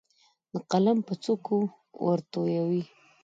د قلم پر څوکو ورتویوي